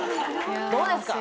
どうですか？